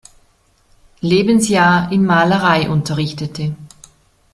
Lebensjahr in Malerei unterrichtete.